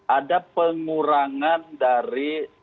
ada pengurangan dari